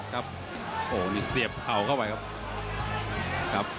ครับโอ้โหนี่เสียบเข่าเข้าไปครับครับ